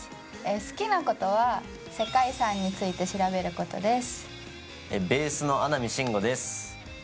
好きなことは世界遺産について調べることです。